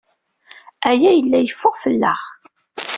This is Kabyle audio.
Aya yella yeffeɣ fell-aɣ.